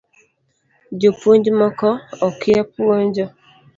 Jopuony moko okia puonjo